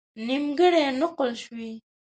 نیمګړې نقل شوې.